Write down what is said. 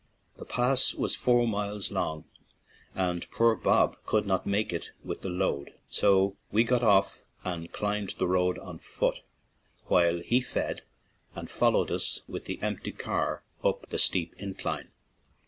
The pass was four miles long, and poor Bob could not make it with the load, so we got off and climbed the road on foot, while he fed and followed us with the empty car up the steep incline.